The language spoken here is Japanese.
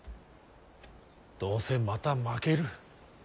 どうせまた負ける。